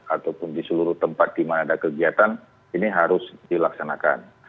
ataupun di seluruh tempat di mana ada kegiatan ini harus dilaksanakan